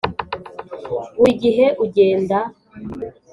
buri gihe ugenda.